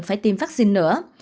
phát triển bệnh nhân